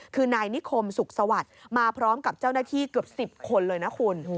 คือนายนิคมสุขสวัสดิ์มาพร้อมกับเจ้าหน้าที่เกือบ๑๐คนเลยนะคุณ